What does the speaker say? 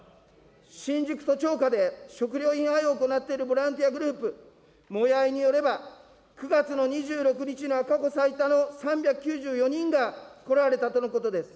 新宿都庁下で、食料品配布を行っているボランティアグループ、もやいによれば、９月の２６日には過去最多の３９４人が来られたとのことです。